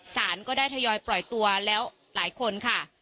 สารก็ได้ทยอยปล่อยตัวแล้วหลายคนค่ะ